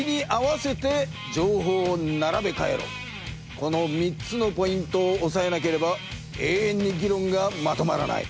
この３つのポイントをおさえなければえいえんにぎろんがまとまらない。